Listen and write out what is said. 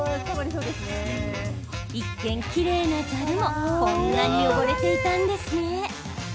一見きれいなざるもこんなに汚れていたんですね。